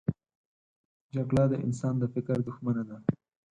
جګړه د انسان د فکر دښمنه ده